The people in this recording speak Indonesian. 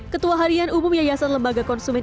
ketua harian umum yayasan lembaga konsumen